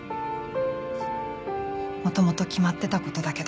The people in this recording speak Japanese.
もともと決まってたことだけど。